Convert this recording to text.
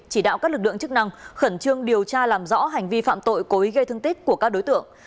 chỉ đạo các lực lượng chức năng khẩn trương điều tra làm rõ hành vi phạm tội cố ý gây thương tích của các đối tượng